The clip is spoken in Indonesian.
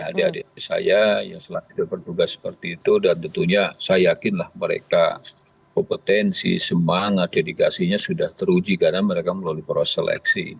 adik adik saya yang selalu berduga seperti itu dan tentunya saya yakinlah mereka kompetensi semangat dedikasinya sudah teruji karena mereka melalui proseleksi